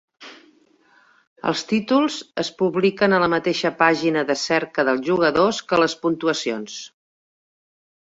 Els títols es publiquen a la mateixa pàgina de cerca dels jugadors que les puntuacions.